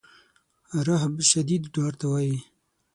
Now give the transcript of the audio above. رهب شدید ډار ته وایي.